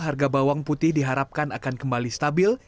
harga bawang putih diharapkan akan kembali stabil